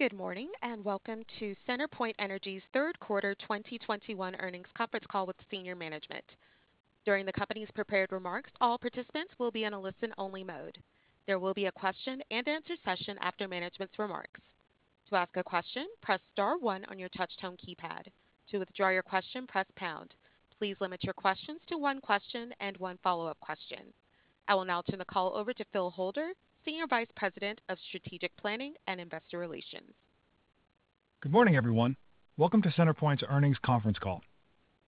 Good morning, and welcome to CenterPoint Energy's Q3 2021 earnings conference call with senior management. During the company's prepared remarks, all participants will be in a listen-only mode. There will be a question-and-answer session after management's remarks. To ask a question, press star one on your touchtone keypad. To withdraw your question, press pound. Please limit your questions to one question and one follow-up question. I will now turn the call over to Philip Holder, Senior Vice President of Strategic Planning and Investor Relations. Good morning, everyone. Welcome to CenterPoint's earnings conference call.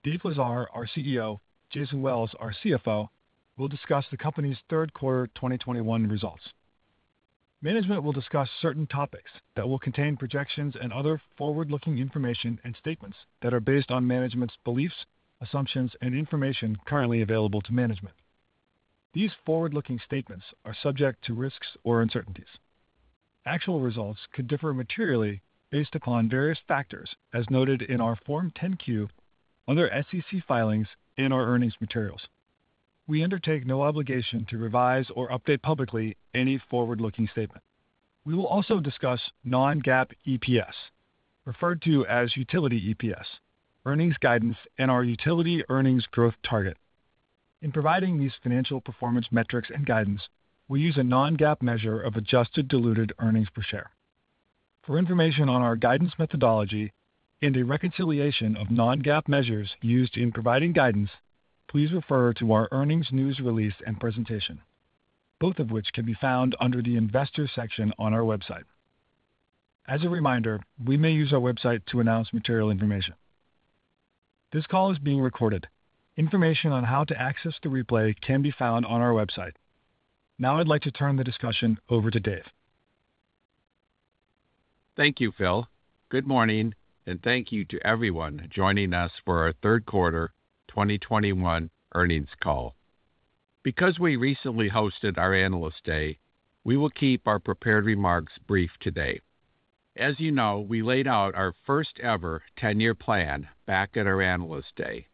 Dave Lesar, our CEO, Jason Wells, our CFO, will discuss the company's Q3 2021 results. Management will discuss certain topics that will contain projections and other forward-looking information and statements that are based on management's beliefs, assumptions, and information currently available to management. These forward-looking statements are subject to risks or uncertainties. Actual results could differ materially based upon various factors as noted in our Form 10-Q, other SEC filings in our earnings materials. We undertake no obligation to revise or update publicly any forward-looking statement. We will also discuss non-GAAP EPS, referred to as utility EPS, earnings guidance, and our utility earnings growth target. In providing these financial performance metrics and guidance, we use a non-GAAP measure of adjusted diluted earnings per share. For information on our guidance methodology and a reconciliation of non-GAAP measures used in providing guidance, please refer to our earnings news release and presentation, both of which can be found under the Investors section on our website. As a reminder, we may use our website to announce material information. This call is being recorded. Information on how to access the replay can be found on our website. Now I'd like to turn the discussion over to Dave. Thank you, Phil. Good morning, and thank you to everyone joining us for our Q3 2021 earnings call. Because we recently hosted our Analyst Day, we will keep our prepared remarks brief today. As you know, we laid out our first-ever 10-year plan back at our Analyst Day.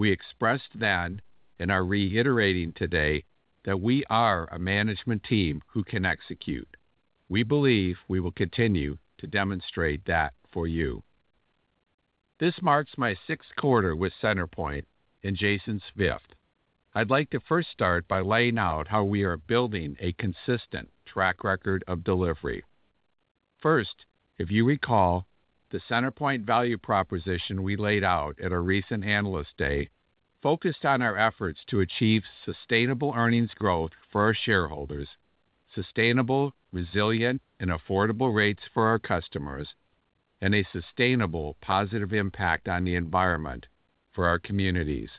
We expressed then, and are reiterating today, that we are a management team who can execute. We believe we will continue to demonstrate that for you. This marks my sixth quarter with CenterPoint and Jason's fifth. I'd like to first start by laying out how we are building a consistent track record of delivery. First, if you recall, the CenterPoint value proposition we laid out at our recent Analyst Day focused on our efforts to achieve sustainable earnings growth for our shareholders, sustainable, resilient, and affordable rates for our customers, and a sustainable positive impact on the environment for our communities.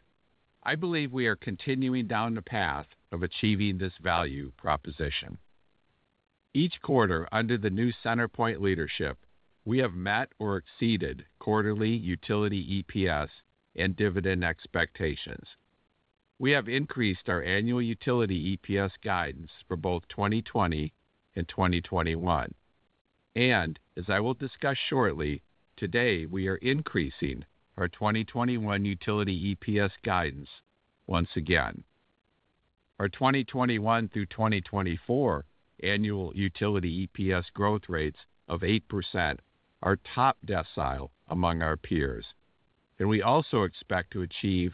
I believe we are continuing down the path of achieving this value proposition. Each quarter under the new CenterPoint leadership, we have met or exceeded quarterly utility EPS and dividend expectations. We have increased our annual utility EPS guidance for both 2020 and 2021. As I will discuss shortly, today we are increasing our 2021 utility EPS guidance once again. Our 2021 through 2024 annual utility EPS growth rates of 8% are top decile among our peers, and we also expect to achieve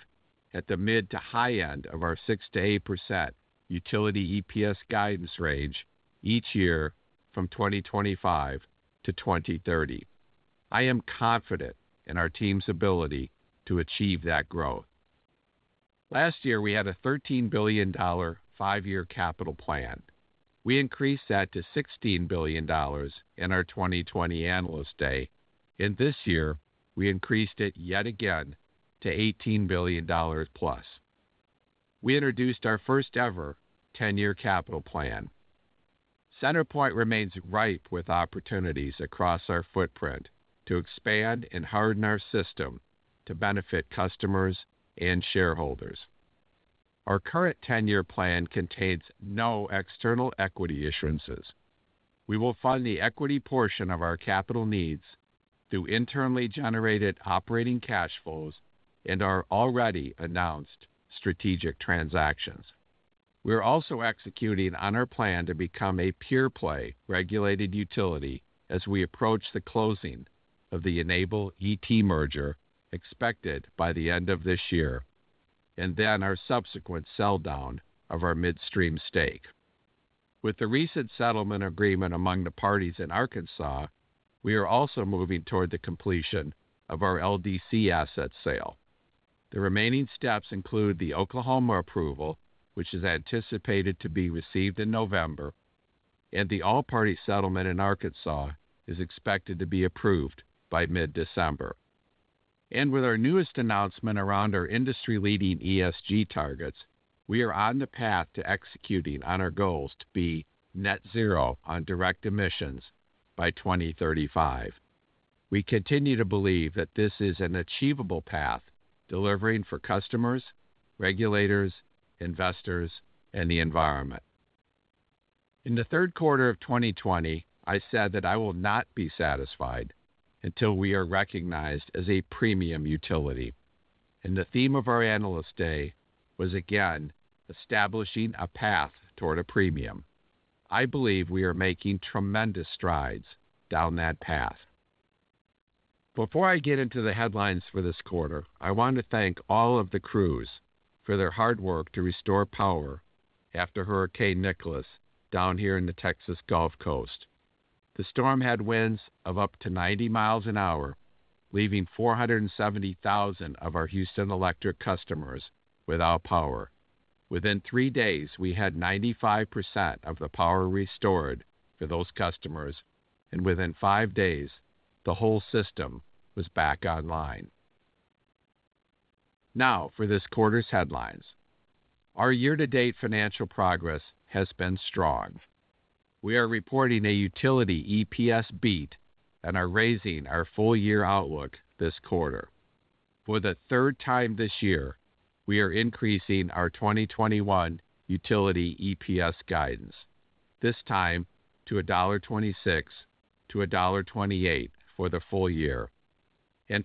at the mid to high end of our 6%-8% utility EPS guidance range each year from 2025 to 2030. I am confident in our team's ability to achieve that growth. Last year, we had a $13 billion five-year capital plan. We increased that to $16 billion in our 2020 Analyst Day, and this year we increased it yet again to $18 billion plus. We introduced our first-ever 10-year capital plan. CenterPoint remains ripe with opportunities across our footprint to expand and harden our system to benefit customers and shareholders. Our current 10-year plan contains no external equity issuances. We will fund the equity portion of our capital needs through internally generated operating cash flows and our already announced strategic transactions. We are also executing on our plan to become a pure-play regulated utility as we approach the closing of the Enable ET merger expected by the end of this year, and then our subsequent sell-down of our midstream stake. With the recent settlement agreement among the parties in Arkansas, we are also moving toward the completion of our LDC asset sale. The remaining steps include the Oklahoma approval, which is anticipated to be received in November, and the all-party settlement in Arkansas is expected to be approved by mid-December. With our newest announcement around our industry-leading ESG targets, we are on the path to executing on our goals to be net zero on direct emissions by 2035. We continue to believe that this is an achievable path, delivering for customers, regulators, investors, and the environment. In the Q3 of 2020, I said that I will not be satisfied until we are recognized as a premium utility. The theme of our Analyst Day was again, establishing a path toward a premium. I believe we are making tremendous strides down that path. Before I get into the headlines for this quarter, I want to thank all of the crews for their hard work to restore power after Hurricane Nicholas down here in the Texas Gulf Coast. The storm had winds of up to 90 miles an hour, leaving 470,000 of our Houston Electric customers without power. Within three days, we had 95% of the power restored for those customers, and within five days, the whole system was back online. Now, for this quarter's headlines. Our year-to-date financial progress has been strong. We are reporting a utility EPS beat and are raising our full-year outlook this quarter. For the third time this year, we are increasing our 2021 utility EPS guidance, this time to $1.26-$1.28 for the full year.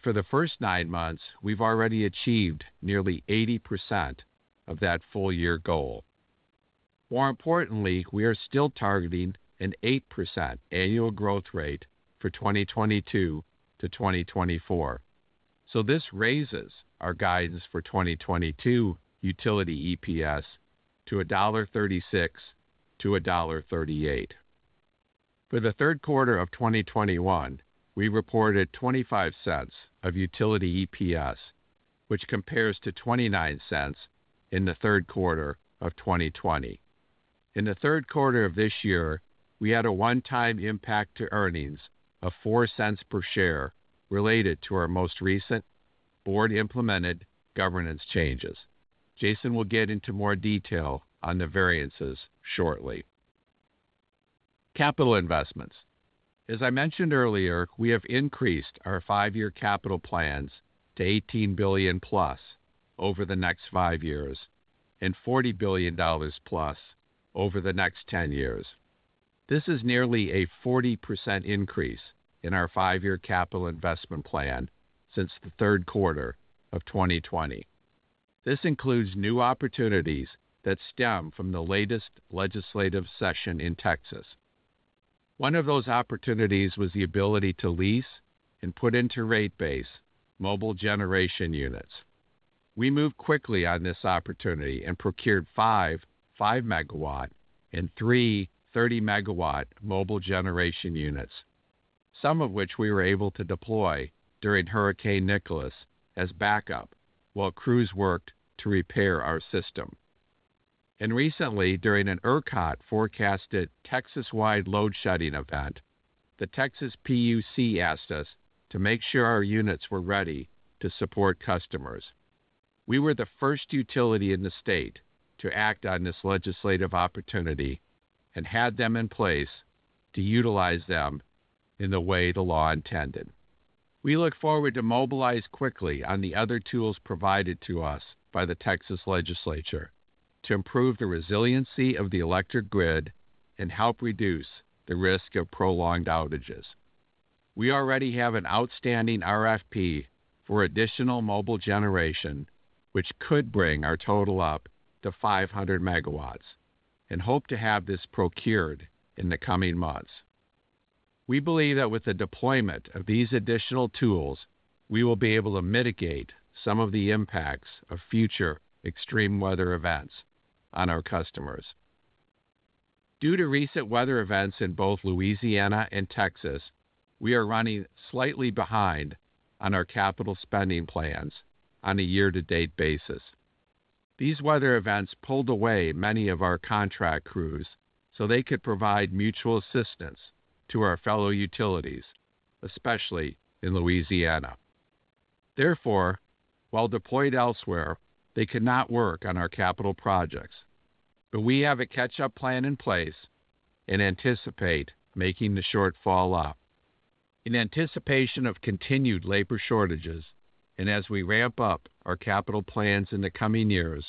For the first nine months, we've already achieved nearly 80% of that full-year goal. More importantly, we are still targeting an 8% annual growth rate for 2022-2024. This raises our guidance for 2022 utility EPS to $1.36-$1.38. For the Q3 of 2021, we reported $0.25 of utility EPS, which compares to $0.29 in the Q3 of 2020. In the Q3 of this year, we had a one-time impact to earnings of $0.04 per share related to our most recent board-implemented governance changes. Jason will get into more detail on the variances shortly. Capital investments. As I mentioned earlier, we have increased our five-year capital plans to $18 billion+ over the next five years and $40 billion+ over the next ten years. This is nearly a 40% increase in our five-year capital investment plan since the Q3 of 2020. This includes new opportunities that stem from the latest legislative session in Texas. One of those opportunities was the ability to lease and put into rate base mobile generation units. We moved quickly on this opportunity and procured five 5-MW and three 30-MW mobile generation units, some of which we were able to deploy during Hurricane Nicholas as backup while crews worked to repair our system. Recently, during an ERCOT-forecasted Texas-wide load-shedding event, the Texas PUC asked us to make sure our units were ready to support customers. We were the first utility in the state to act on this legislative opportunity and had them in place to utilize them in the way the law intended. We look forward to mobilize quickly on the other tools provided to us by the Texas Legislature to improve the resiliency of the electric grid and help reduce the risk of prolonged outages. We already have an outstanding RFP for additional mobile generation, which could bring our total up to 500 MW and hope to have this procured in the coming months. We believe that with the deployment of these additional tools, we will be able to mitigate some of the impacts of future extreme weather events on our customers. Due to recent weather events in both Louisiana and Texas, we are running slightly behind on our capital spending plans on a year-to-date basis. These weather events pulled away many of our contract crews so they could provide mutual assistance to our fellow utilities, especially in Louisiana. Therefore, while deployed elsewhere, they could not work on our capital projects, but we have a catch-up plan in place and anticipate making the shortfall up. In anticipation of continued labor shortages, and as we ramp up our capital plans in the coming years,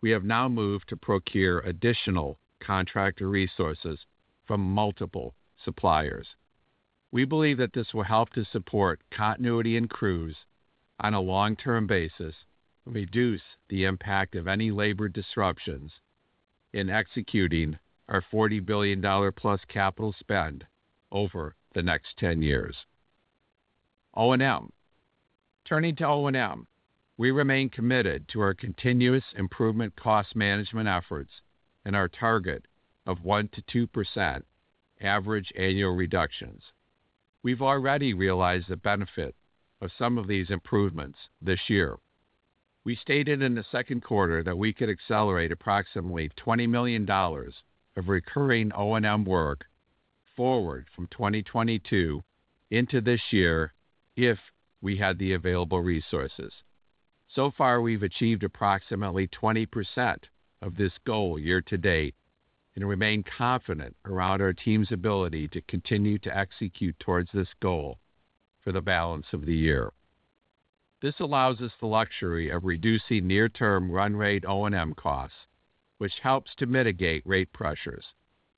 we have now moved to procure additional contractor resources from multiple suppliers. We believe that this will help to support continuity in crews on a long-term basis and reduce the impact of any labor disruptions in executing our $40 billion-plus capital spend over the next 10 years. O&M. Turning to O&M, we remain committed to our continuous improvement cost management efforts and our target of 1%-2% average annual reductions. We've already realized the benefit of some of these improvements this year. We stated in the Q2 that we could accelerate approximately $20 million of recurring O&M work forward from 2022 into this year if we had the available resources. So far, we've achieved approximately 20% of this goal year to date and remain confident around our team's ability to continue to execute towards this goal for the balance of the year. This allows us the luxury of reducing near-term run rate O&M costs, which helps to mitigate rate pressures.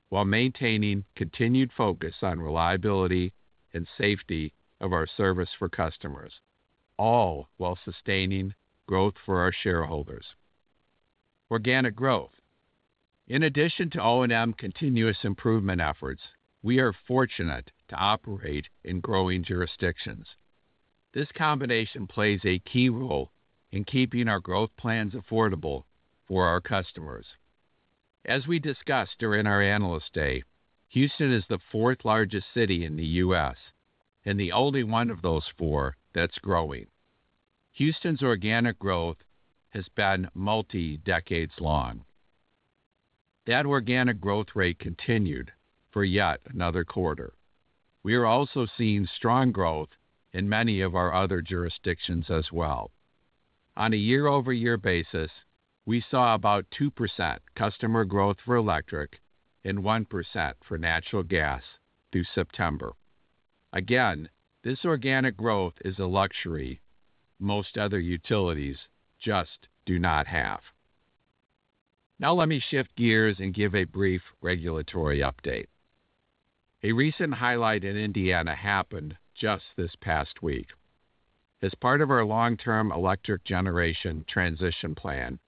While maintaining continued focus on reliability and safety of our service for customers, all while sustaining growth for our shareholders. Organic growth. In addition to O&M continuous improvement efforts, we are fortunate to operate in growing jurisdictions. This combination plays a key role in keeping our growth plans affordable for our customers. As we discussed during our Analyst Day, Houston is the fourth largest city in the U.S. and the only one of those four that's growing. Houston's organic growth has been multi-decades long. That organic growth rate continued for yet another quarter. We are also seeing strong growth in many of our other jurisdictions as well. On a year-over-year basis, we saw about 2% customer growth for electric and 1% for natural gas through September. Again, this organic growth is a luxury most other utilities just do not have. Now let me shift gears and give a brief regulatory update. A recent highlight in Indiana happened just this past week. As part of our long-term electric generation transition plan,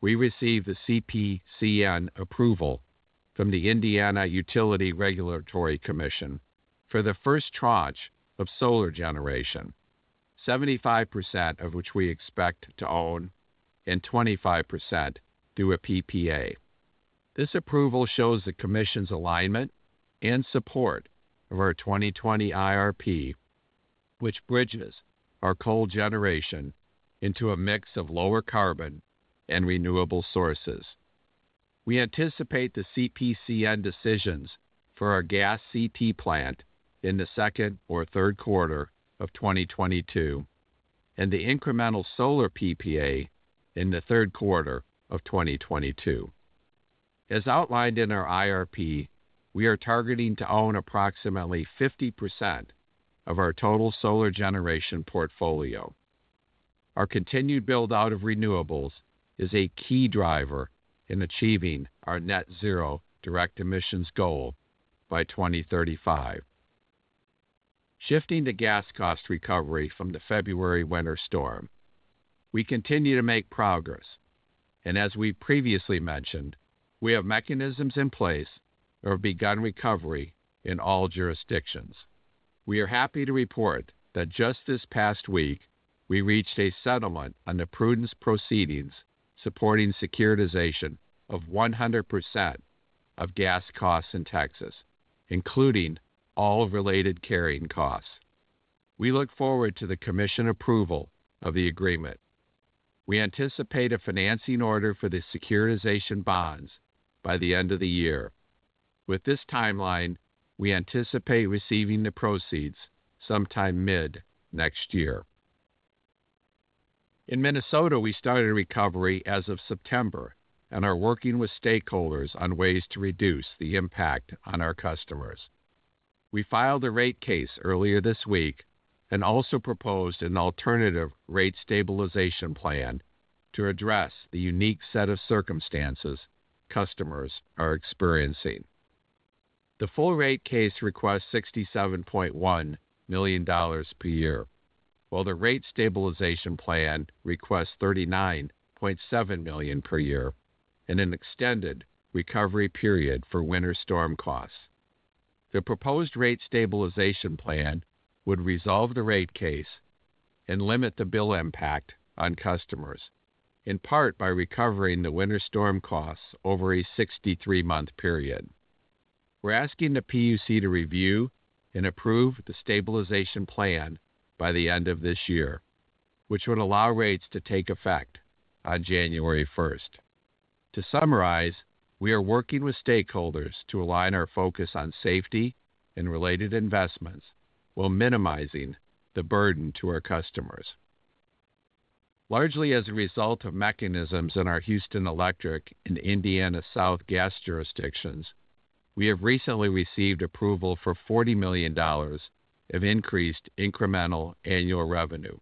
we received the CPCN approval from the Indiana Utility Regulatory Commission for the first tranche of solar generation, 75% of which we expect to own and 25% through a PPA. This approval shows the Commission's alignment and support of our 2020 IRP, which bridges our coal generation into a mix of lower carbon and renewable sources. We anticipate the CPCN decisions for our gas CT plant in the second or Q3 of 2022, and the incremental solar PPA in the Q3 of 2022. As outlined in our IRP, we are targeting to own approximately 50% of our total solar generation portfolio. Our continued build-out of renewables is a key driver in achieving our net zero direct emissions goal by 2035. Shifting to gas cost recovery from Winter Storm Uri, we continue to make progress, and as we previously mentioned, we have mechanisms in place or have begun recovery in all jurisdictions. We are happy to report that just this past week, we reached a settlement on the prudence proceedings supporting securitization of 100% of gas costs in Texas, including all related carrying costs. We look forward to the Commission approval of the agreement. We anticipate a financing order for the securitization bonds by the end of the year. With this timeline, we anticipate receiving the proceeds sometime mid-next year. In Minnesota, we started recovery as of September and are working with stakeholders on ways to reduce the impact on our customers. We filed a rate case earlier this week and also proposed an alternative rate stabilization plan to address the unique set of circumstances customers are experiencing. The full rate case requires $67.1 million per year, while the rate stabilization plan requests $39.7 million per year and an extended recovery period for winter storm costs. The proposed rate stabilization plan would resolve the rate case and limit the bill impact on customers, in part by recovering the winter storm costs over a 63-month period. We're asking the PUC to review and approve the stabilization plan by the end of this year, which would allow rates to take effect on January first. To summarize, we are working with stakeholders to align our focus on safety and related investments while minimizing the burden to our customers. Largely as a result of mechanisms in our Houston Electric and Indiana South Gas jurisdictions, we have recently received approval for $40 million of increased incremental annual revenue.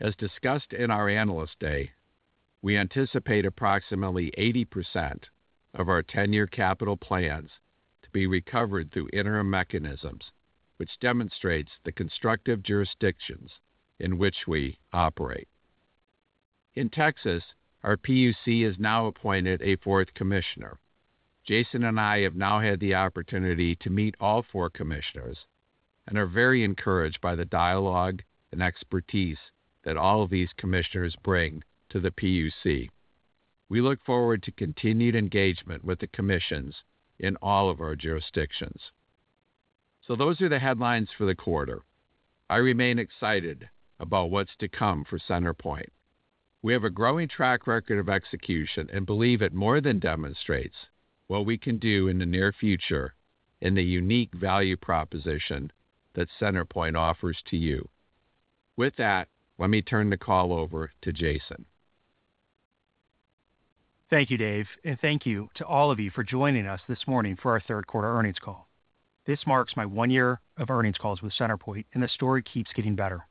As discussed in our Analyst Day, we anticipate approximately 80% of our ten-year capital plans to be recovered through interim mechanisms, which demonstrates the constructive jurisdictions in which we operate. In Texas, our PUC has now appointed a fourth commissioner. Jason and I have now had the opportunity to meet all four commissioners and are very encouraged by the dialogue and expertise that all of these commissioners bring to the PUC. We look forward to continued engagement with the commissions in all of our jurisdictions. Those are the headlines for the quarter. I remain excited about what's to come for CenterPoint. We have a growing track record of execution and believe it more than demonstrates what we can do in the near future and the unique value proposition that CenterPoint offers to you. With that, let me turn the call over to Jason. Thank you, Dave, and thank you to all of you for joining us this morning for our Q3 earnings call. This marks my one year of earnings calls with CenterPoint, and the story keeps getting better.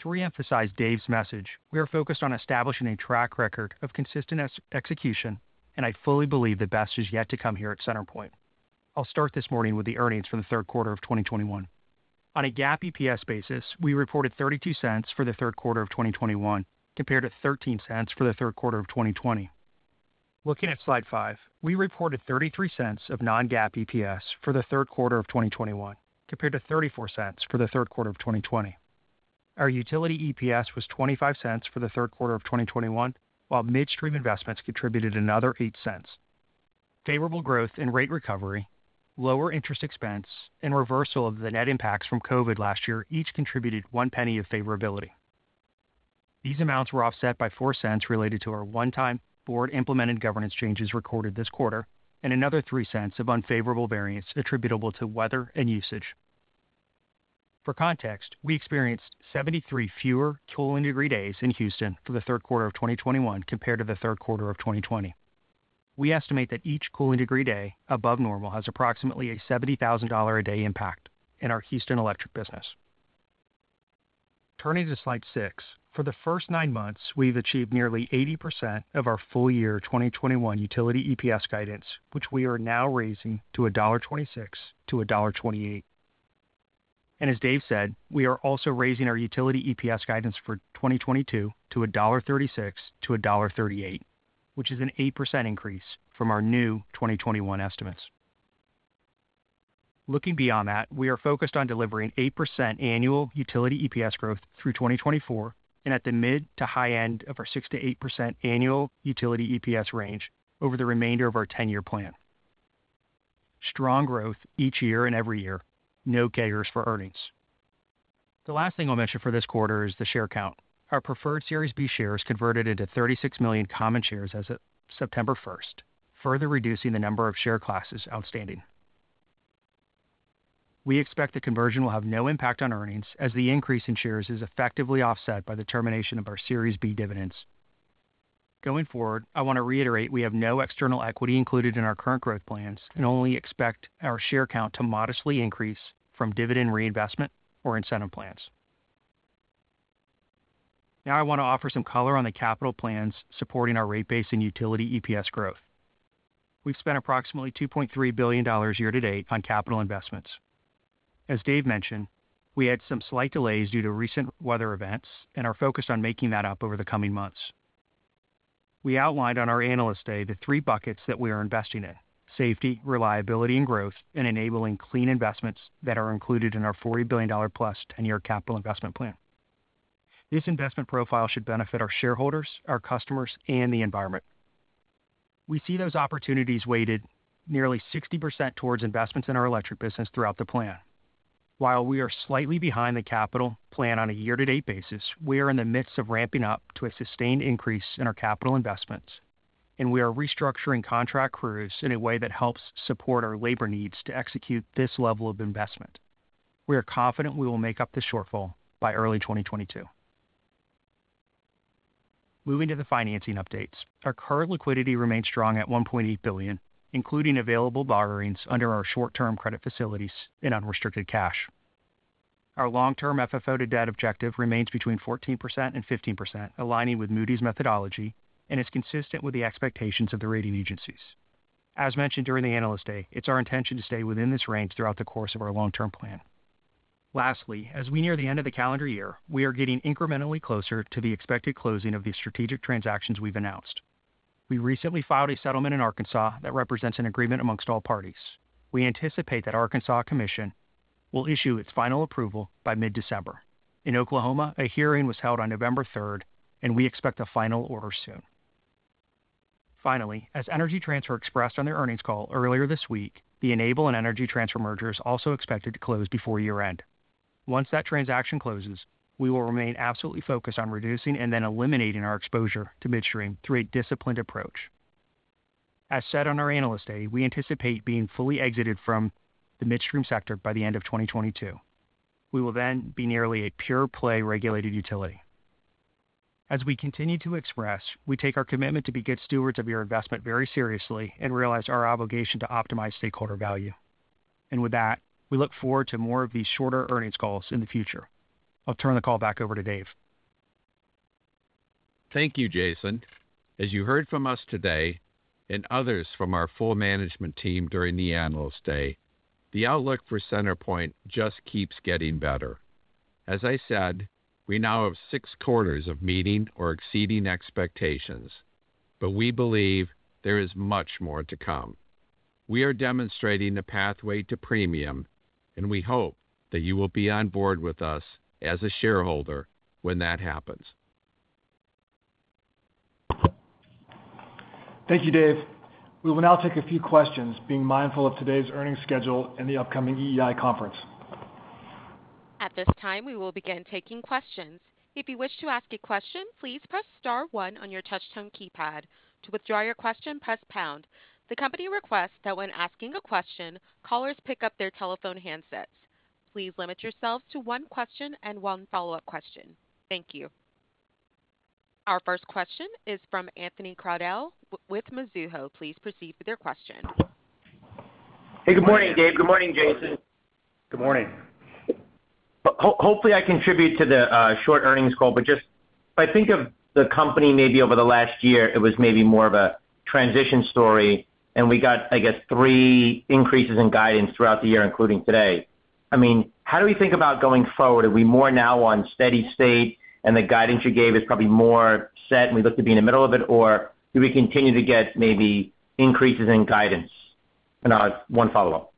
To reemphasize Dave's message, we are focused on establishing a track record of consistent execution, and I fully believe the best is yet to come here at CenterPoint. I'll start this morning with the earnings for the Q3 of 2021. On a GAAP EPS basis, we reported $0.32 for the Q3 of 2021 compared to $0.13 for the Q3 of 2020. Looking at slide five, we reported $0.33 of non-GAAP EPS for the Q3 of 2021 compared to $0.34 for the Q3 of 2020. Our utility EPS was $0.25 for the Q3 of 2021, while midstream investments contributed another $0.08. Favorable growth in rate recovery, lower interest expense and reversal of the net impacts from COVID last year each contributed $0.01 of favorability. These amounts were offset by $0.04 related to our one-time board implemented governance changes recorded this quarter and another $0.03 of unfavorable variance attributable to weather and usage. For context, we experienced 73 fewer cooling degree days in Houston for the Q3 of 2021 compared to the Q3 of 2020. We estimate that each cooling degree day above normal has approximately a $70,000 a day impact in our Houston electric business. Turning to slide six. For the first nine months, we've achieved nearly 80% of our full year 2021 utility EPS guidance, which we are now raising to $1.26-$1.28. As Dave said, we are also raising our utility EPS guidance for 2022 to $1.36-$1.38, which is an 8% increase from our new 2021 estimates. Looking beyond that, we are focused on delivering 8% annual utility EPS growth through 2024 and at the mid to high end of our 6%-8% annual utility EPS range over the remainder of our 10-year plan. Strong growth each year and every year. No CAGR for earnings. The last thing I'll mention for this quarter is the share count. Our preferred Series B shares converted into 36 million common shares as of September first, further reducing the number of share classes outstanding. We expect the conversion will have no impact on earnings as the increase in shares is effectively offset by the termination of our Series B dividends. Going forward, I want to reiterate we have no external equity included in our current growth plans and only expect our share count to modestly increase from dividend reinvestment or incentive plans. Now I want to offer some color on the capital plans supporting our rate base and utility EPS growth. We've spent approximately $2.3 billion year to date on capital investments. As Dave mentioned, we had some slight delays due to recent weather events and are focused on making that up over the coming months. We outlined on our Analyst Day the three buckets that we are investing in, safety, reliability and growth, and enabling clean investments that are included in our $40 billion-plus 10-year capital investment plan. This investment profile should benefit our shareholders, our customers, and the environment. We see those opportunities weighted nearly 60% towards investments in our electric business throughout the plan. While we are slightly behind the capital plan on a year to date basis, we are in the midst of ramping up to a sustained increase in our capital investments, and we are restructuring contract crews in a way that helps support our labor needs to execute this level of investment. We are confident we will make up the shortfall by early 2022. Moving to the financing updates. Our current liquidity remains strong at $1.8 billion, including available borrowings under our short-term credit facilities in unrestricted cash. Our long-term FFO to debt objective remains between 14% and 15%, aligning with Moody's methodology, and is consistent with the expectations of the rating agencies. As mentioned during the Analyst Day, it's our intention to stay within this range throughout the course of our long-term plan. Lastly, as we near the end of the calendar year, we are getting incrementally closer to the expected closing of the strategic transactions we've announced. We recently filed a settlement in Arkansas that represents an agreement amongst all parties. We anticipate that Arkansas Commission will issue its final approval by mid-December. In Oklahoma, a hearing was held on November 3 and we expect a final order soon. Finally, as Energy Transfer expressed on their earnings call earlier this week, the Enable and Energy Transfer merger is also expected to close before year-end. Once that transaction closes, we will remain absolutely focused on reducing and then eliminating our exposure to midstream through a disciplined approach. As said on our Analyst Day, we anticipate being fully exited from the midstream sector by the end of 2022. We will then be nearly a pure play regulated utility. As we continue to express, we take our commitment to be good stewards of your investment very seriously and realize our obligation to optimize stakeholder value. With that, we look forward to more of these shorter earnings calls in the future. I'll turn the call back over to Dave. Thank you, Jason. As you heard from us today and others from our full management team during the Analyst Day, the outlook for CenterPoint just keeps getting better. As I said, we now have six quarters of meeting or exceeding expectations, but we believe there is much more to come. We are demonstrating the pathway to premium, and we hope that you will be on board with us as a shareholder when that happens. Thank you, Dave. We will now take a few questions, being mindful of today's earnings schedule and the upcoming EEI conference. At this time, we will begin taking questions. If you wish to ask a question, please press star one on your touchtone keypad. To withdraw your question, press pound. The company requests that when asking a question, callers pick up their telephone handsets. Please limit yourselves to one question and one follow-up question. Thank you. Our first question is from Anthony Crowdell with Mizuho. Please proceed with your question. Hey, good morning, Dave. Good morning, Jason. Good morning. Hopefully I contribute to the short earnings call, but just if I think of the company maybe over the last year, it was maybe more of a transition story, and we got I guess three increases in guidance throughout the year, including today. I mean, how do we think about going forward? Are we more now on steady state and the guidance you gave is probably more set and we look to be in the middle of it, or do we continue to get maybe increases in guidance? One follow-up.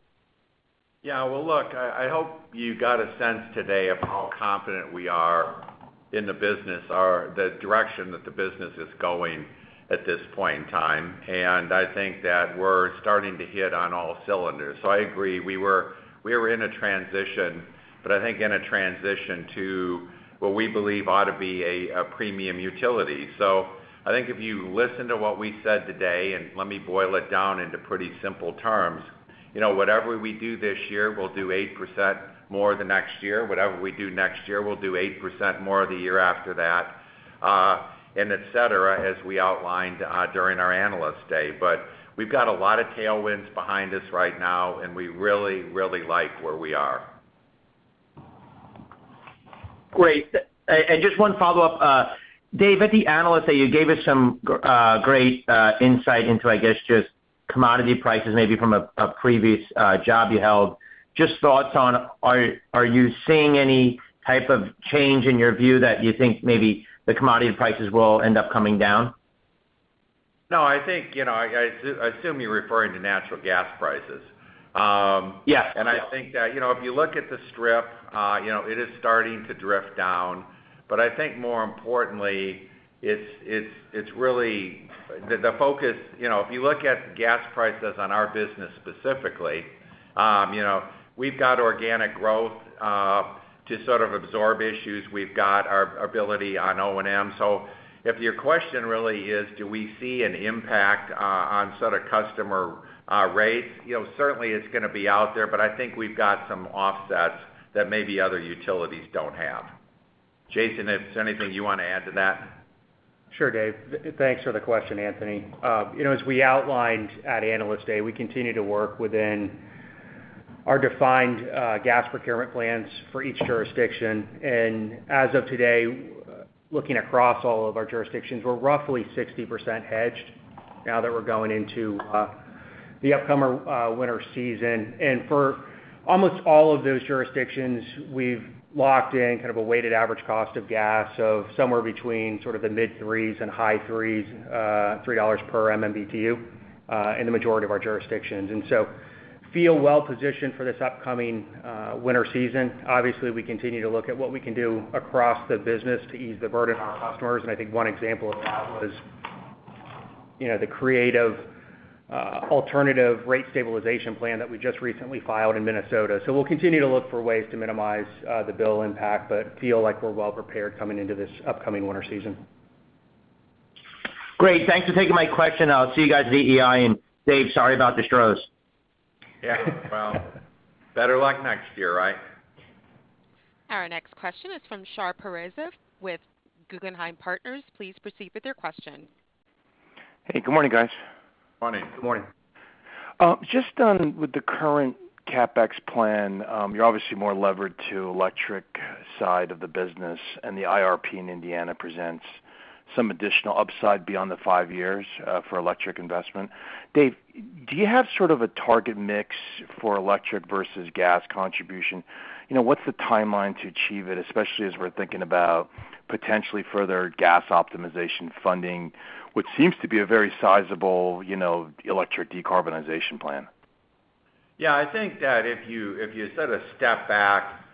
Yeah, well, look, I hope you got a sense today of how confident we are in the business or the direction that the business is going at this point in time. I think that we're starting to hit on all cylinders. I agree, we were in a transition, but I think in a transition to what we believe ought to be a premium utility. I think if you listen to what we said today, and let me boil it down into pretty simple terms. You know, whatever we do this year, we'll do 8% more the next year. Whatever we do next year, we'll do 8% more the year after that, and et cetera, as we outlined during our Analyst Day. We've got a lot of tailwinds behind us right now, and we really, really like where we are. Great. Just one follow-up, Dave, at the Analyst Day, you gave us some great insight into, I guess, just commodity prices maybe from a previous job you held. Just thoughts on, are you seeing any type of change in your view that you think maybe the commodity prices will end up coming down? No. I think, you know, assume you're referring to natural gas prices. Yes. I think that, you know, if you look at the strip, you know, it is starting to drift down. I think more importantly, it's really the focus, you know, if you look at gas prices on our business specifically, you know, we've got organic growth to sort of absorb issues. We've got our ability on O&M. If your question really is, do we see an impact on sort of customer rates? You know, certainly it's gonna be out there, but I think we've got some offsets that maybe other utilities don't have. Jason, if there's anything you want to add to that. Sure, Dave. Thanks for the question, Anthony. You know, as we outlined at Analyst Day, we continue to work within our defined gas procurement plans for each jurisdiction. As of today, looking across all of our jurisdictions, we're roughly 60% hedged now that we're going into the upcoming winter season. For almost all of those jurisdictions, we've locked in kind of a weighted average cost of gas of somewhere between sort of the mid-threes and high threes, $3 per MMBtu, in the majority of our jurisdictions. We feel well positioned for this upcoming winter season. Obviously, we continue to look at what we can do across the business to ease the burden on customers. I think one example of that was, you know, the creative alternative rate stabilization plan that we just recently filed in Minnesota. We'll continue to look for ways to minimize the bill impact, but feel like we're well prepared coming into this upcoming winter season. Great. Thanks for taking my question. I'll see you guys at the EEI. Dave, sorry about the Astros. Yeah, well, better luck next year, right? Our next question is from Shar Pourreza with Guggenheim Partners. Please proceed with your question. Hey, good morning, guys. Morning. Good morning. Just on with the current CapEx plan, you're obviously more levered to electric side of the business, and the IRP in Indiana presents some additional upside beyond the five years for electric investment. Dave, do you have sort of a target mix for electric versus gas contribution? You know, what's the timeline to achieve it, especially as we're thinking about potentially further gas optimization funding, which seems to be a very sizable, you know, electric decarbonization plan? Yeah. I think that if you sort of step back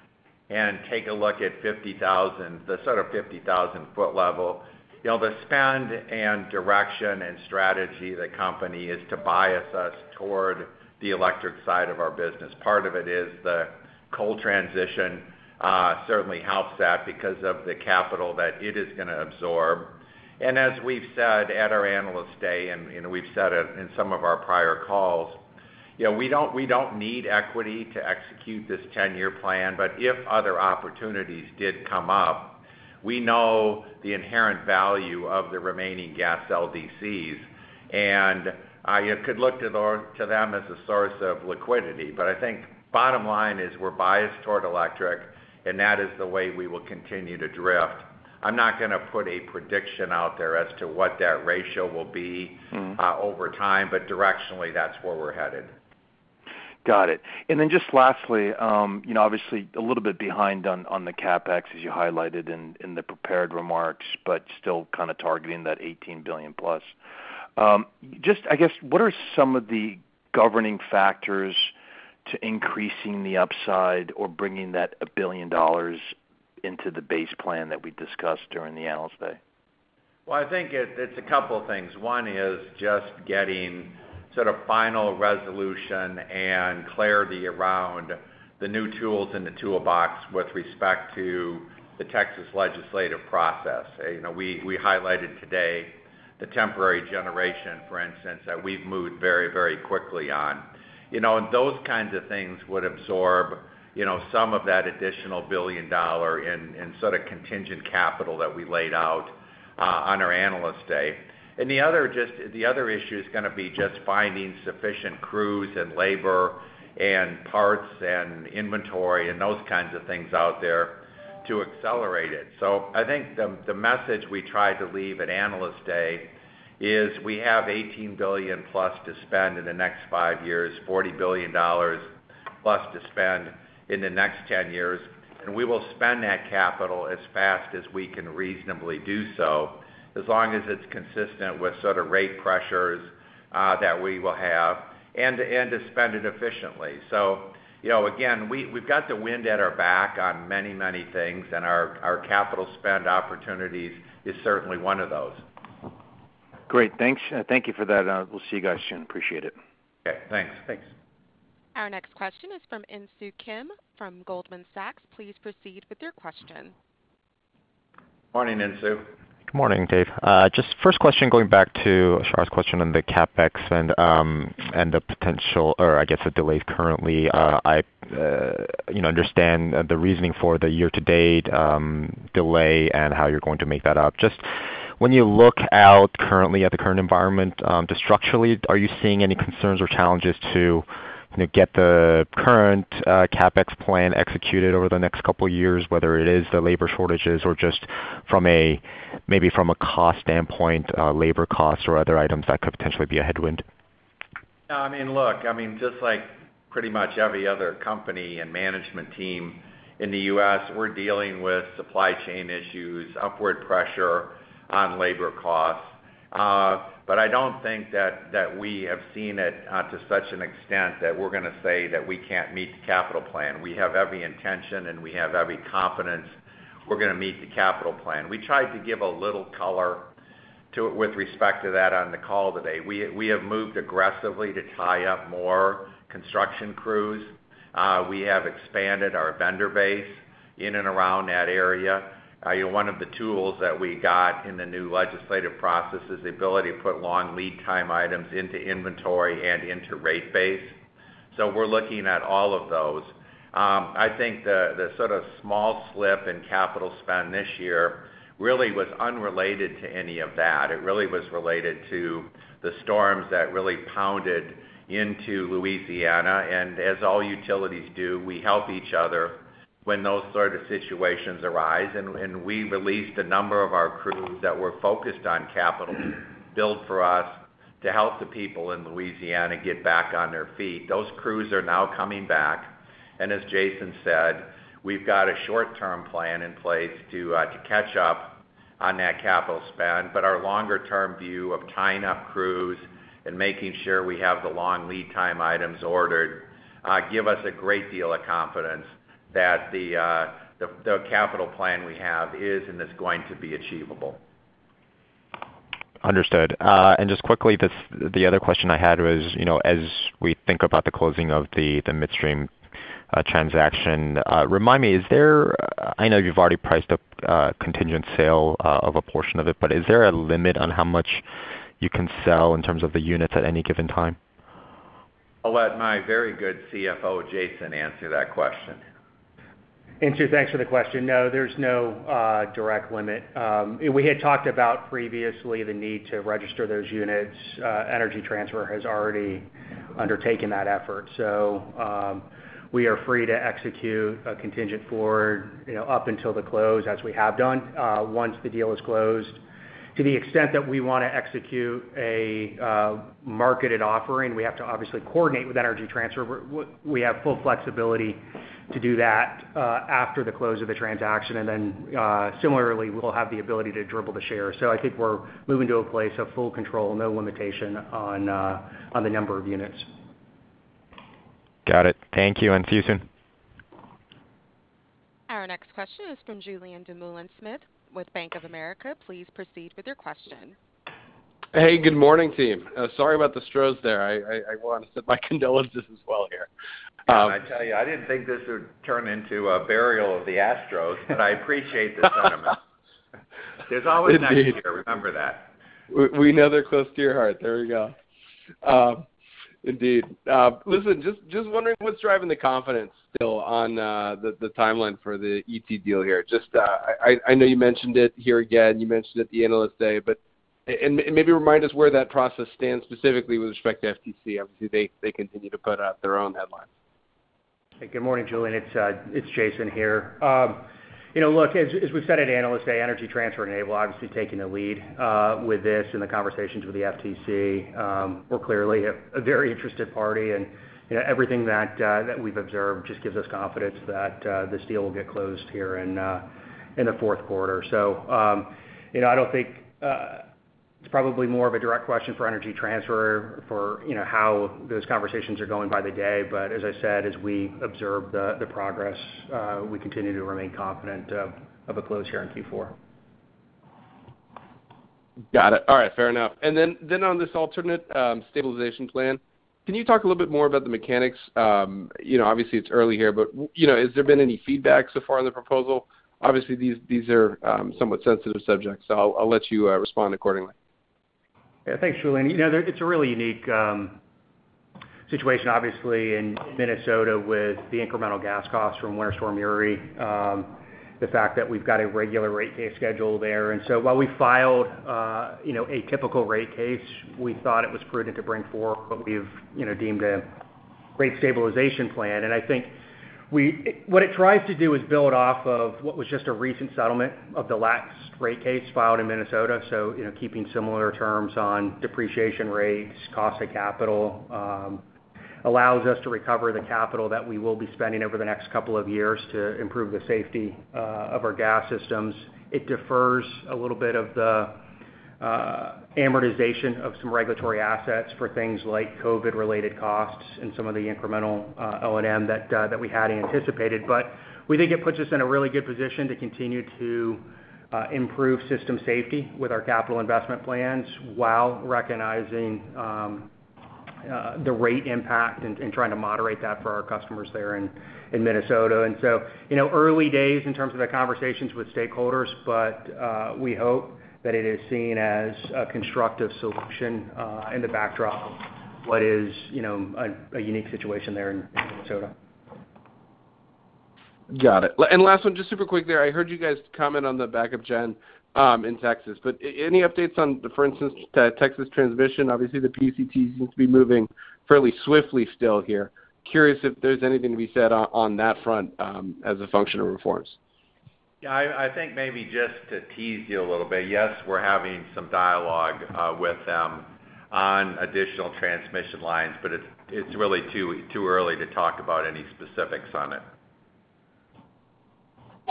and take a look at the 50,000-foot level, you know, the spend and direction and strategy of the company is to bias us toward the electric side of our business. Part of it is the coal transition certainly helps that because of the capital that it is gonna absorb. As we've said at our Analyst Day and we've said it in some of our prior calls, you know, we don't need equity to execute this 10-year plan. If other opportunities did come up, we know the inherent value of the remaining gas LDCs, and you could look to them as a source of liquidity. I think bottom line is we're biased toward electric, and that is the way we will continue to drift. I'm not gonna put a prediction out there as to what that ratio will be. Over time, but directionally, that's where we're headed. Got it. Then just lastly, you know, obviously a little bit behind on the CapEx, as you highlighted in the prepared remarks, but still kind of targeting that $18 billion plus. Just I guess, what are some of the governing factors to increasing the upside or bringing that $1 billion into the base plan that we discussed during the Analyst Day? Well, I think it's a couple of things. One is just getting sort of final resolution and clarity around the new tools in the toolbox with respect to the Texas legislative process. You know, we highlighted today the temporary generation, for instance, that we've moved very, very quickly on. You know, and those kinds of things would absorb, you know, some of that additional $1 billion in sort of contingent capital that we laid out on our Analyst Day. The other issue is gonna be just finding sufficient crews and labor and parts and inventory and those kinds of things out there to accelerate it. I think the message we tried to leave at Analyst Day is we have $18 billion+ to spend in the next five years, $40 billion+ to spend in the next 10 years, and we will spend that capital as fast as we can reasonably do so, as long as it's consistent with sort of rate pressures that we will have, and to spend it efficiently. You know, again, we've got the wind at our back on many, many things, and our capital spend opportunities is certainly one of those. Great. Thanks. Thank you for that. We'll see you guys soon. Appreciate it. Okay. Thanks. Thanks. Our next question is from Insoo Kim from Goldman Sachs. Please proceed with your question. Morning, Insoo. Good morning, Dave. Just first question, going back to Shar's question on the CapEx and the potential or I guess the delays currently. I, you know, understand the reasoning for the year-to-date delay and how you're going to make that up. Just when you look out currently at the current environment just structurally, are you seeing any concerns or challenges to, you know, get the current CapEx plan executed over the next couple of years, whether it is the labor shortages or just from a, maybe from a cost standpoint, labor costs or other items that could potentially be a headwind? No, I mean, look, I mean, just like pretty much every other company and management team in the U.S., we're dealing with supply chain issues, upward pressure on labor costs. I don't think that we have seen it to such an extent that we're gonna say that we can't meet the capital plan. We have every intention, and we have every confidence we're gonna meet the capital plan. We tried to give a little color to it with respect to that on the call today. We have moved aggressively to tie up more construction crews. We have expanded our vendor base in and around that area. You know, one of the tools that we got in the new legislative process is the ability to put long lead time items into inventory and into rate base. We're looking at all of those. I think the sort of small slip in capital spend this year really was unrelated to any of that. It really was related to the storms that really pounded into Louisiana. As all utilities do, we help each other when those sort of situations arise. We released a number of our crews that were focused on capital build for us to help the people in Louisiana get back on their feet. Those crews are now coming back. As Jason said, we've got a short-term plan in place to catch up on that capital spend. Our longer-term view of tying up crews and making sure we have the long lead time items ordered give us a great deal of confidence that the capital plan we have is going to be achievable. Understood. Just quickly, the other question I had was, you know, as we think about the closing of the midstream transaction, remind me, I know you've already priced up contingent sale of a portion of it, but is there a limit on how much you can sell in terms of the units at any given time? I'll let my very good CFO, Jason, answer that question. Insoo, thanks for the question. No, there's no direct limit. We had talked about previously the need to register those units. Energy Transfer has already undertaken that effort. We are free to execute a contingent forward, you know, up until the close as we have done. Once the deal is closed, to the extent that we wanna execute a marketed offering, we have to obviously coordinate with Energy Transfer. We have full flexibility to do that after the close of the transaction, and then, similarly, we'll have the ability to dribble the shares. I think we're moving to a place of full control, no limitation on the number of units. Got it. Thank you. See you soon. Our next question is from Julien Dumoulin-Smith with Bank of America. Please proceed with your question. Hey, good morning, team. Sorry about the Astros there. I want to send my condolences as well here. I tell you, I didn't think this would turn into a burial of the Astros, but I appreciate the sentiment. Indeed. There's always next year, remember that. We know they're close to your heart. There we go. Indeed. Listen, just wondering what's driving the confidence still on the timeline for the ET deal here. I know you mentioned it here again, you mentioned it at the Analyst Day, but maybe remind us where that process stands specifically with respect to FTC. Obviously, they continue to put out their own headlines. Good morning, Julien. It's Jason here. You know, look, as we've said at Analyst Day, Energy Transfer and Enable have obviously taken the lead with this in the conversations with the FTC. We're clearly a very interested party, and you know, everything that we've observed just gives us confidence that this deal will get closed here in the Q4. You know, I don't think it's probably more of a direct question for Energy Transfer, you know, how those conversations are going by the day. As I said, as we observe the progress, we continue to remain confident of a close here in Q4. Got it. All right. Fair enough. On this alternate stabilization plan, can you talk a little bit more about the mechanics? You know, obviously it's early here, but, you know, has there been any feedback so far on the proposal? Obviously, these are somewhat sensitive subjects, so I'll let you respond accordingly. Yeah. Thanks, Julien. You know, it's a really unique situation obviously in Minnesota with the incremental gas costs from Winter Storm Uri, the fact that we've got a regular rate case schedule there. While we filed, you know, a typical rate case, we thought it was prudent to bring forward what we've, you know, deemed a rate stabilization plan. I think what it tries to do is build off of what was just a recent settlement of the last rate case filed in Minnesota. You know, keeping similar terms on depreciation rates, cost of capital, allows us to recover the capital that we will be spending over the next couple of years to improve the safety of our gas systems. It defers a little bit of the amortization of some regulatory assets for things like COVID-related costs and some of the incremental O&M that we hadn't anticipated. We think it puts us in a really good position to continue to improve system safety with our capital investment plans while recognizing the rate impact and trying to moderate that for our customers there in Minnesota. You know, early days in terms of the conversations with stakeholders, but we hope that it is seen as a constructive solution in the backdrop of what is a unique situation there in Minnesota. Got it. Last one, just super quick there. I heard you guys comment on the backup gen in Texas, but any updates on the, for instance, Texas transmission? Obviously, the PUC seems to be moving fairly swiftly still here. Curious if there's anything to be said on that front, as a function of reforms. Yeah, I think maybe just to tease you a little bit, yes, we're having some dialogue with them on additional transmission lines, but it's really too early to talk about any specifics on it.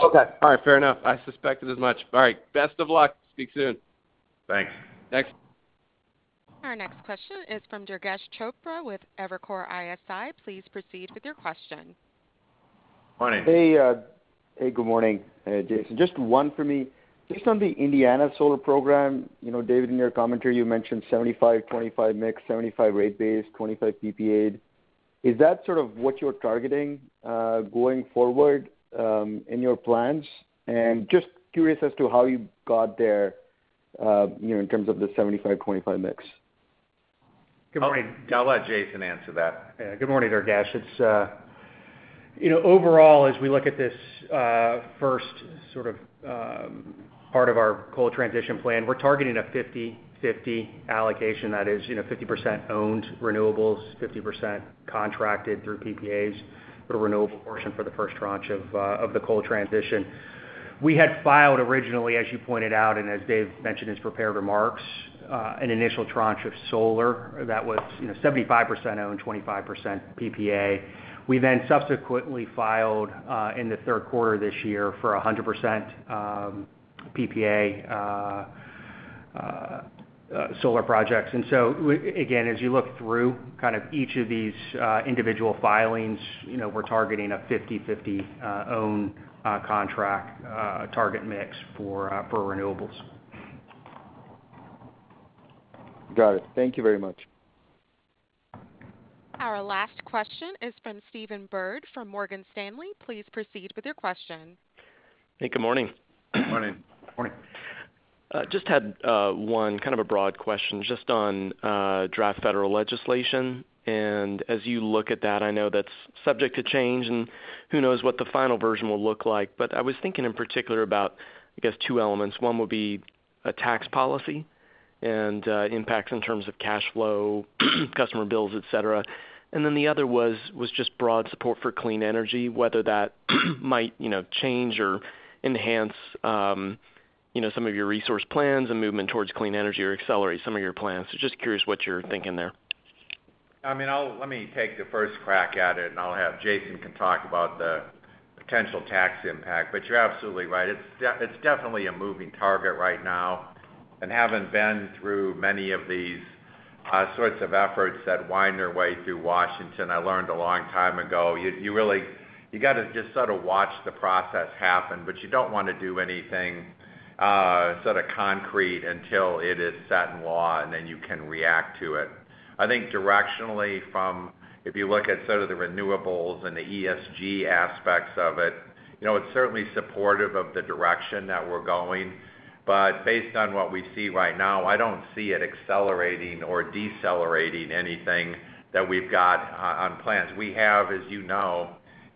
Okay. All right, fair enough. I suspected as much. All right, best of luck. Speak soon. Thanks. Thanks. Our next question is from Durgesh Chopra with Evercore ISI. Please proceed with your question. Morning. Hey. Hey, good morning, Jason. Just one for me. Just on the Indiana solar program, you know, Dave, in your commentary, you mentioned 75-25 mix, 75 rate base, 25 PPA'd. Is that sort of what you're targeting going forward in your plans? Just curious as to how you got there, you know, in terms of the 75-25 mix. Good morning. I'll let Jason answer that. Yeah. Good morning, Durgesh. It's. You know, overall, as we look at this, first sort of part of our coal transition plan, we're targeting a 50-50 allocation. That is, you know, 50% owned renewables, 50% contracted through PPAs for renewable portion for the first tranche of the coal transition. We had filed originally, as you pointed out and as Dave mentioned in his prepared remarks, an initial tranche of solar that was, you know, 75% owned, 25% PPA. We then subsequently filed in the Q3 this year for 100% PPA solar projects. Again, as you look through kind of each of these individual filings, you know, we're targeting a 50-50 owned contract target mix for renewables. Got it. Thank you very much. Our last question is from Stephen Byrd from Morgan Stanley. Please proceed with your question. Hey, good morning. Morning. Morning. Just had one kind of a broad question just on draft federal legislation. As you look at that, I know that's subject to change, and who knows what the final version will look like. I was thinking in particular about, I guess, two elements. One would be a tax policy and impacts in terms of cash flow, customer bills, et cetera. Then the other was just broad support for clean energy, whether that might, you know, change or enhance, you know, some of your resource plans and movement towards clean energy or accelerate some of your plans. Just curious what you're thinking there. I mean, let me take the first crack at it, and I'll have Jason come talk about the potential tax impact. You're absolutely right. It's definitely a moving target right now. Having been through many of these sorts of efforts that wind their way through Washington, I learned a long time ago, you really, you gotta just sort of watch the process happen, but you don't wanna do anything sort of concrete until it is set in law, and then you can react to it. I think directionally from, if you look at sort of the renewables and the ESG aspects of it, you know, it's certainly supportive of the direction that we're going. Based on what we see right now, I don't see it accelerating or decelerating anything that we've got on plans. We have, as you know,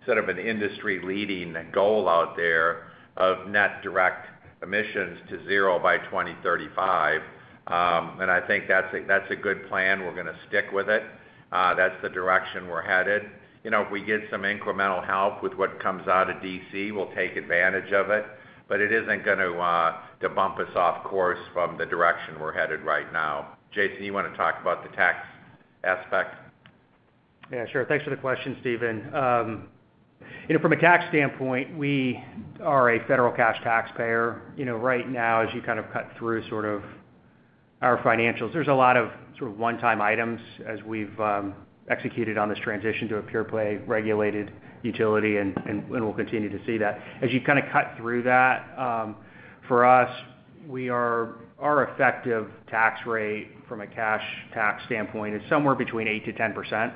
sort of an industry-leading goal out there of net direct emissions to zero by 2035. I think that's a good plan. We're gonna stick with it. That's the direction we're headed. You know, if we get some incremental help with what comes out of D.C., we'll take advantage of it, but it isn't going to bump us off course from the direction we're headed right now. Jason, you wanna talk about the tax aspect? Yeah, sure. Thanks for the question, Stephen. You know, from a tax standpoint, we are a federal cash taxpayer. You know, right now, as you kind of cut through sort of our financials, there's a lot of sort of one-time items as we've executed on this transition to a pure play regulated utility, and we'll continue to see that. As you kind of cut through that, for us, our effective tax rate from a cash tax standpoint is somewhere between 8%-10%.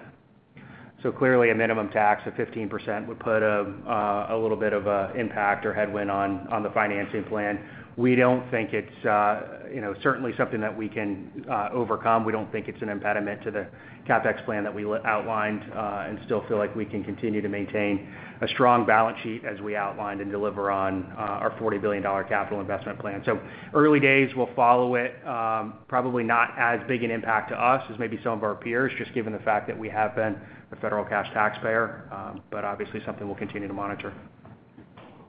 So clearly a minimum tax of 15% would put a little bit of impact or headwind on the financing plan. We don't think it's, you know, certainly something that we can overcome. We don't think it's an impediment to the CapEx plan that we outlined, and still feel like we can continue to maintain a strong balance sheet as we outlined and deliver on our $40 billion capital investment plan. Early days, we'll follow it. Probably not as big an impact to us as maybe some of our peers, just given the fact that we have been a federal cash taxpayer, but obviously something we'll continue to monitor.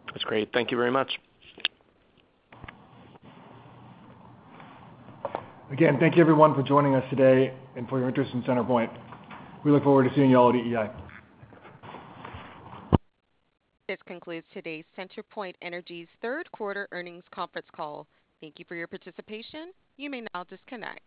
That's great. Thank you very much. Again, thank you everyone for joining us today and for your interest in CenterPoint. We look forward to seeing you all at EEI. This concludes today's CenterPoint Energy's Q3 earnings conference call. Thank you for your participation. You may now disconnect.